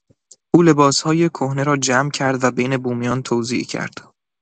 او لباسهای کهنه را جمع کرد و بین بومیان توزیع کرد.